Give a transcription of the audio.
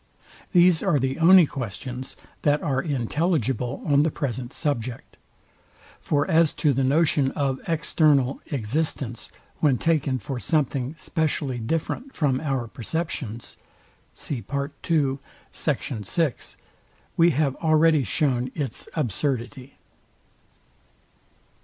These are the only questions, that are intelligible on the present subject. For as to the notion of external existence, when taken for something specially different from our perceptions, we have already shewn its absurdity.